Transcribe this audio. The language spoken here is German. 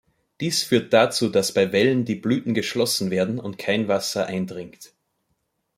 Dies führt dazu, dass bei Wellen die Blüten geschlossen werden und kein Wasser eindringt.